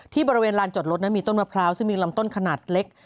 บริเวณลานจอดรถนั้นมีต้นมะพร้าวซึ่งมีลำต้นขนาดเล็ก